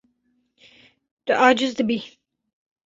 Tu aciz dibî.